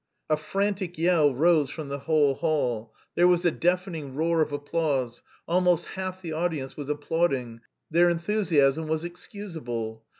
A frantic yell rose from the whole hall, there was a deafening roar of applause; almost half the audience was applauding: their enthusiasm was excusable.